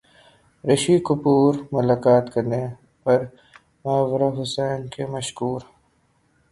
رشی کپور ملاقات کرنے پر ماورا حسین کے مشکور